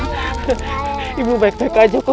aku harus mendapatkan tombak itu dari tangannya